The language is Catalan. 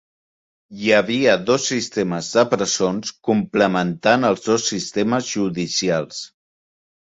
Hi havia dos sistemes de presons complementant els dos sistemes judicials.